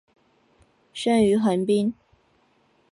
生于横滨。